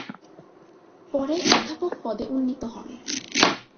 পরে অধ্যাপক পদে উন্নীত হন।